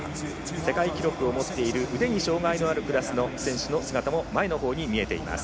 世界記録を持っている腕に障がいのあるクラスの選手の姿も前のほうに見えています。